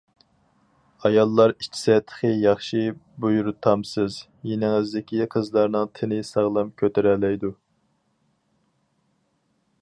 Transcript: ئاياللار ئىچسە تېخى ياخشى، بۇيرۇتامسىز، يېنىڭىزدىكى قىزلارنىڭ تېنى ساغلام كۆتۈرەلەيدۇ.